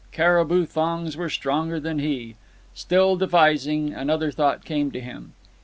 Caribou thongs were stronger than he. Still devising, another thought came to him.